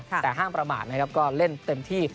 แต่ห้ามประมาทนะครับก็เล่นเต็มที่